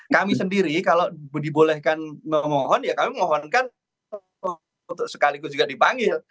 kami sendiri kalau dibolehkan memohon ya kami mohonkan untuk sekaligus juga dipanggil